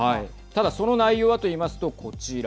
ただその内容はといいますとこちら。